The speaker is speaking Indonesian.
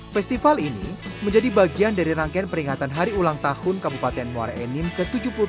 festival ini menjadi bagian dari rangkaian peringatan hari ulang tahun kabupaten muara enim ke tujuh puluh tiga